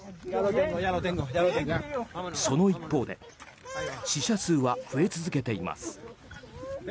その一方で死者数は増え続けています。